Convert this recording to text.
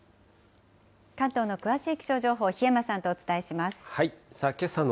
関東の詳しい気象情報を檜山さんとお伝えします。